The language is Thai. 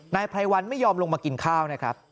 ไพรวัลไม่ยอมลงมากินข้าวนะครับ